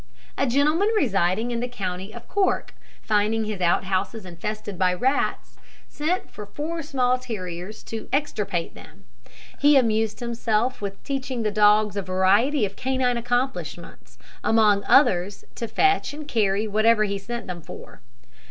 A gentleman residing in the county of Cork, finding his out houses infested by rats, sent for four small terriers to extirpate them. He amused himself with teaching the dogs a variety of canine accomplishments, among others, to fetch and carry whatever he sent them for.